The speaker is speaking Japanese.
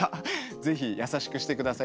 是非優しくしてください。